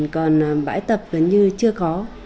còn bãi tập gần như chưa có